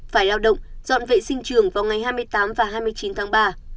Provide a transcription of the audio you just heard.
phải lao động dọn vệ sinh trường vào ngày hai mươi tám và hai mươi chín tháng ba